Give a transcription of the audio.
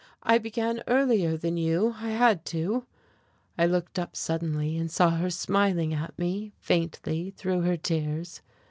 "I began earlier than you, I had to." I looked up suddenly and saw her smiling at me, faintly, through her tears.